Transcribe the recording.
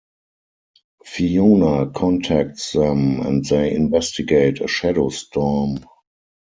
Fiona contacts them, and they investigate a shadow-storm.